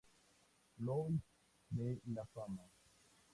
Louis de la Fama.